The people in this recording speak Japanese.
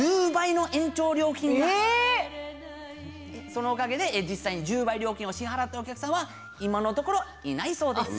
そのおかげで実際に１０倍料金を支払ったお客さんは今のところいないそうです。